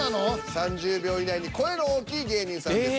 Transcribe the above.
３０秒以内に声の大きい芸人さんです。